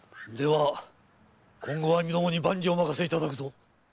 は今後は身共に万事お任せいただくぞ。